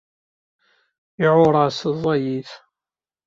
Iɛuṛas ẓẓayit.